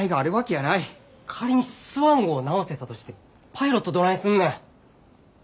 仮にスワン号を直せたとしてもパイロットどないすんねん。